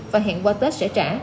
và hẹn qua tết sẽ trả